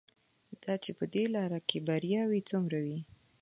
دا چې په دې لاره کې بریاوې څومره وې.